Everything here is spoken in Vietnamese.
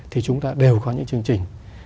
thì chúng ta đều có những chương trình